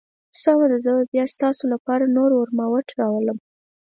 سمه ده، زه به بیا ستاسو لپاره نور ورماوټ راوړم.